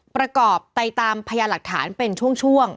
ประกอบไปตามพยานหลักฐานเป็นช่วง